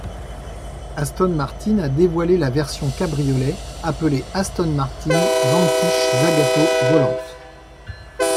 Aston Martin a dévoilé la version cabriolet appelée Aston Martin Vanquish Zagato Volante.